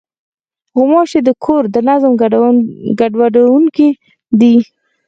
غوماشې د کور د نظم ګډوډوونکې دي.